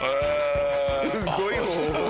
すごい方法だね。